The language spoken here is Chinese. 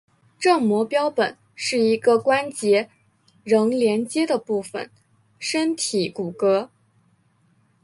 正模标本是一个关节仍连阶的部分身体骨骼。